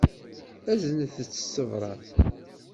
Aznet-tt s tebṛat.